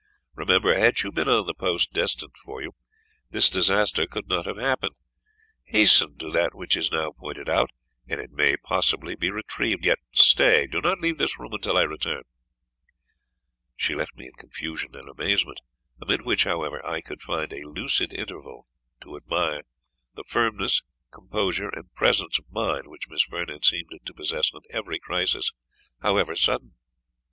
Remember, had you been on the post destined for you, this disaster could not have happened: hasten to that which is now pointed out, and it may possibly be retrieved. Yet stay do not leave this room until I return." She left me in confusion and amazement; amid which, however, I could find a lucid interval to admire the firmness, composure, and presence of mind which Miss Vernon seemed to possess on every crisis, however sudden.